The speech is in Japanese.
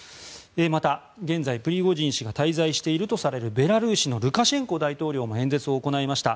また現在、プリゴジン氏が滞在しているとされるベラルーシのルカシェンコ大統領も演説を行いました。